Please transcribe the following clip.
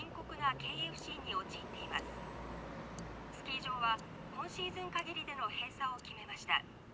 スキー場は今シーズン限りでの閉鎖を決めました。